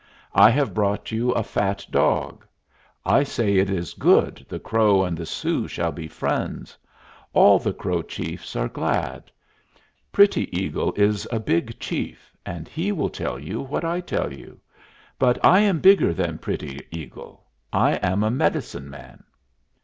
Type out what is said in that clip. I have brought you a fat dog. I say it is good the Crow and the Sioux shall be friends. All the Crow chiefs are glad. Pretty Eagle is a big chief, and he will tell you what I tell you. But I am bigger than Pretty Eagle. I am a medicine man."